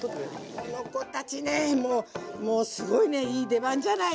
この子たちねもうもうすごいねいい出番じゃないの。